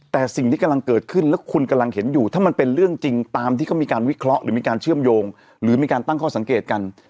แต่สิ่งที่กำลังเกิดขึ้นแล้วคุณกำลังเห็นอยู่ถ้ามันเป็นเรื่องจริงตามที่เขามีการวิเคราะห์หรือมีการเชื่อมโยงหรือมีการตั้งข้อสังเกตกัน